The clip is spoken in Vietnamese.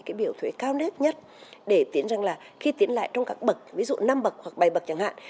cái biểu thuế cao nét nhất để tiến rằng là khi tiến lại trong các bậc ví dụ năm bậc hoặc bài bậc chẳng hạn